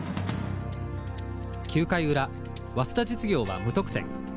９回裏早稲田実業は無得点。